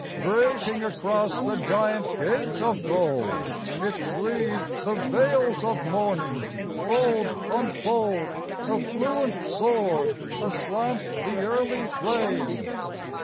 Breaking across the giant gates of gold It cleaved the veils of morning fold on fold, A fluent sword aslant the early flame.